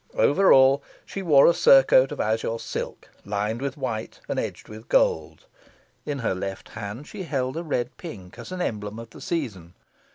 Over all she wore a surcoat of azure silk, lined with white, and edged with gold. In her left hand she held a red pink as an emblem of the season.